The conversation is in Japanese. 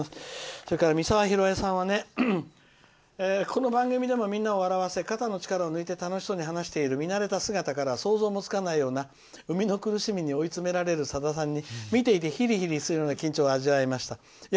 それから、みさわひろえさんは「この番組でもみんなを笑わせ肩の力を抜いて話している姿からは想像もつかないような生みの苦しみに追い詰められるさださんに見ていてひりひりするような緊張を味わいました」。